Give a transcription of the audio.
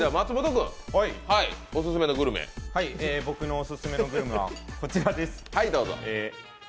僕のおすすめのグルメはこちらです。